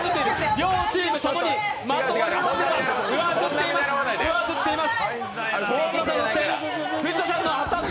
両チームともにうわずっています！